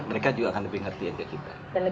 mereka juga akan lebih mengerti agak kita